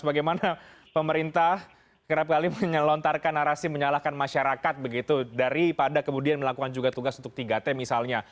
bagaimana pemerintah kerap kali menyelontarkan narasi menyalahkan masyarakat begitu daripada kemudian melakukan juga tugas untuk tiga t misalnya